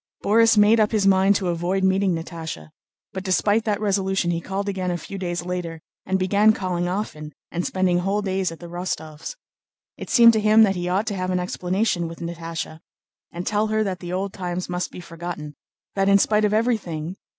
Borís made up his mind to avoid meeting Natásha, but despite that resolution he called again a few days later and began calling often and spending whole days at the Rostóvs'. It seemed to him that he ought to have an explanation with Natásha and tell her that the old times must be forgotten, that in spite of everything...